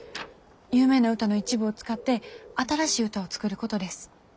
有名な歌の一部を使って新しい歌を作ることです。